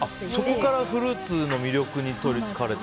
そこからフルーツの魅力に取りつかれて？